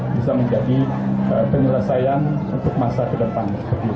bisa menjadi penyelesaian untuk masa ke depan